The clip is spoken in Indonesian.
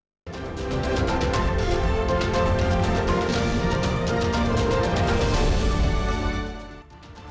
mbak nini yang diberikan oleh mbak hadron